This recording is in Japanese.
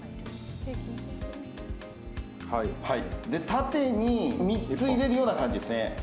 縦に３つ入れるような感じですね。